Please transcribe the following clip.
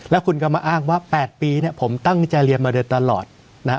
แล้วคุณก็มาอ้างว่า๘ปีเนี่ยผมตั้งใจเรียนมาโดยตลอดนะฮะ